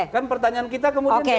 kan pertanyaan kita kemudian